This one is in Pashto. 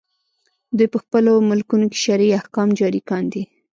دوی په خپلو ملکونو کې شرعي احکام جاري کاندي.